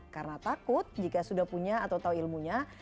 karena takut jika sudah punya atau tahu ilmunya